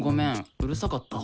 うるさかった？